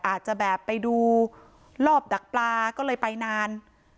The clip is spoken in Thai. อาจจะแบบไปดูรอบดักปลาก็เลยไปนาน